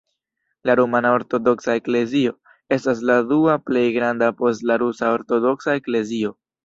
La Rumana Ortodoksa Eklezio estas la dua plej granda post la Rusa Ortodoksa Eklezio.